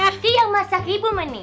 lati yang masak ibu menik